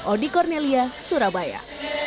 odi cornelia surabaya